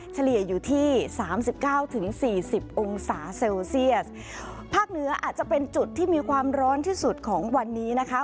เฉลี่ยอยู่ที่สามสิบเก้าถึงสี่สิบองศาเซลเซียสภาคเหนืออาจจะเป็นจุดที่มีความร้อนที่สุดของวันนี้นะคะ